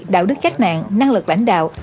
đạo đức khách nạn năng lực lãnh đạo